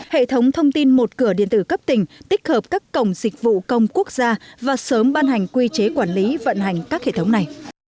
hệ thống thông tin một cửa điện tử cấp tỉnh tích hợp các cổng dịch vụ công quốc gia và sớm ban hành quy chế quản lý vận hành các hệ thống này